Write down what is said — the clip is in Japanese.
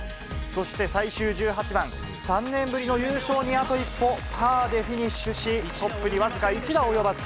そして最終１８番、３年ぶりの優勝にあと一歩、パーでフィニッシュし、トップに僅か１打及ばず。